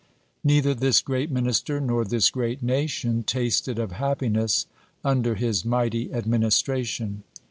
Neither this great minister nor this great nation tasted of happiness under his mighty administration.